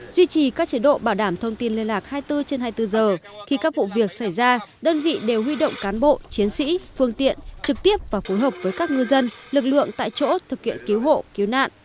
duy trì các chế độ bảo đảm thông tin liên lạc hai mươi bốn trên hai mươi bốn giờ khi các vụ việc xảy ra đơn vị đều huy động cán bộ chiến sĩ phương tiện trực tiếp và phối hợp với các ngư dân lực lượng tại chỗ thực hiện cứu hộ cứu nạn